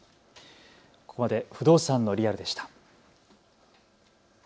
ここまで不動産のリアルでした。